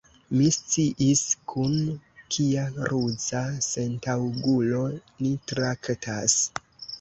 Mi sciis, kun kia ruza sentaŭgulo ni traktas.